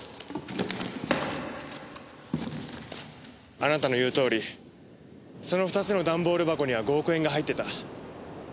あなたの言うとおりその２つの段ボール箱には５億円が入ってた。